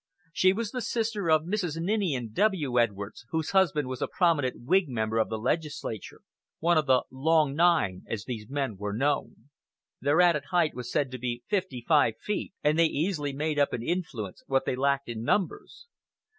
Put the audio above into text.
She was the sister of Mrs. Ninian W. Edwards, whose husband was a prominent Whig member of the legislature one of the "Long Nine," as these men were known. Their added height was said to be fifty five feet, and they easily made up in influence what they lacked in numbers.